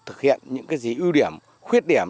thực hiện những cái gì ưu điểm khuyết điểm